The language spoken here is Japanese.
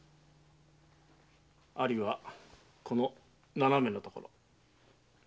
「有」はこの斜めのところ。